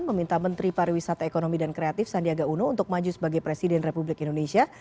meminta menteri pariwisata ekonomi dan kreatif sandiaga uno untuk maju sebagai presiden republik indonesia